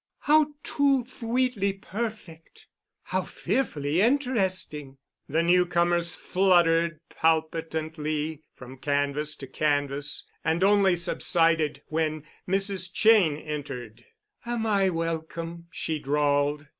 "How too thweetly perfect!" "How fearfully interesting!" The newcomers fluttered palpitantly from canvas to canvas and only subsided when Mrs. Cheyne entered. "Am I welcome?" she drawled.